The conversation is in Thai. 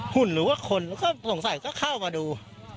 หุ่นหรือว่าคนก็สงสัยก็เข้ามาดู